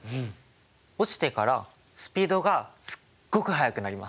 落ちてからスピードがすっごく速くなります。